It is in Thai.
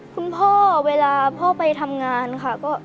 คุณพ่อเวลาพ่อไปทำงานค่ะ